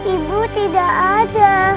ibu tidak ada